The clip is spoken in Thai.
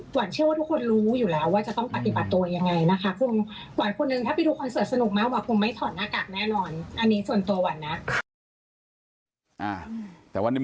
หวันเชื่อว่าทุกคนรู้อยู่แล้วว่าจะต้องปฏิบัติตัวยังไงนะคะ